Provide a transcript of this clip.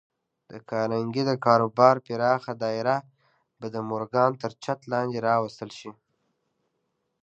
د کارنګي د کاروبار پراخه دايره به د مورګان تر چت لاندې راوستل شي.